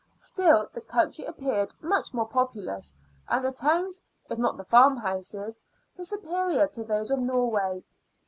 Still the country appeared much more populous, and the towns, if not the farmhouses, were superior to those of Norway.